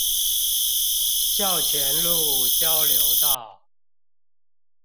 校前路交流道